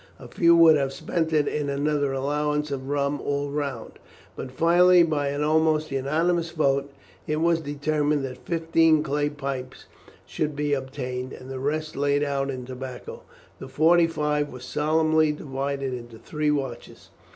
A few would have spent it in another allowance of rum all round, but finally, by an almost unanimous vote, it was determined that fifteen clay pipes should be obtained, and the rest laid out in tobacco. The forty five were solemnly divided into three watches.